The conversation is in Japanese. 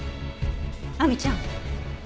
亜美ちゃん事件